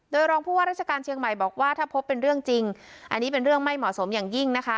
โดยรองผู้ว่าราชการเชียงใหม่บอกว่าถ้าพบเป็นเรื่องจริงอันนี้เป็นเรื่องไม่เหมาะสมอย่างยิ่งนะคะ